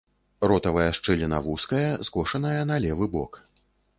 Ротавая шчыліна вузкая, скошаная на левы бок.